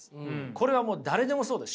これはもう誰でもそうです。